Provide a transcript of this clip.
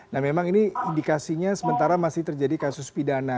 nah memang ini indikasinya sementara masih terjadi kasus pidana